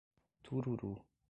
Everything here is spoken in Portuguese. Tururu